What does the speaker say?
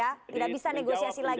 atau sudah bisa negosiasi lagi